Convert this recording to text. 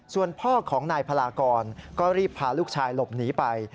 ส่วนพ่อของนายพลากรก็รีบพาลูกชายหลบหนีไป